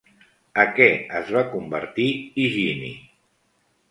A què es va convertir Higini?